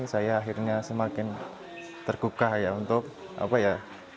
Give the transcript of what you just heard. saya akhirnya semakin tergugah ya untuk apa ya